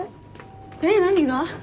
えっ何が？